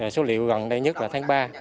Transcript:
số liệu gần đây nhất là tháng ba